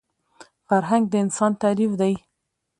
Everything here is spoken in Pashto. فرهنګ د انسان تعریف دی